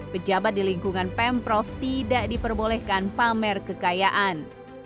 pejabat di lingkungan pemprov tidak diperbolehkan pamer kekayaan